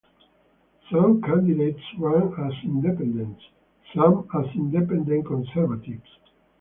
Some candidates ran as independents, some as Independent Conservatives.